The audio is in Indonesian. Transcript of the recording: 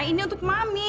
ini untuk mami